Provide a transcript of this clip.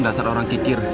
dasar orang kikir